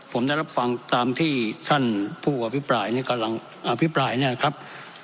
ผมได้รับฟังตามที่ท่านผู้อภิปรายนี่กำลังอภิปรายเนี่ยนะครับ